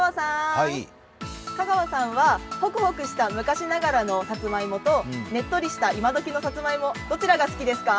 香川さんはホクホクした昔ながらのさつまいもとねっとりした今どきのさつまいも、どちらが好きですか？